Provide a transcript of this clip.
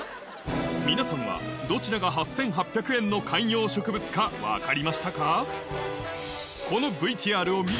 皆さんはどちらが８８００円の観葉植物か分かりましたか？